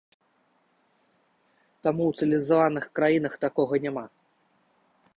Таму ў цывілізаваных краінах такога няма.